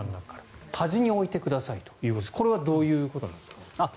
端に置いてくださいということですがこれはどういうことなんですか。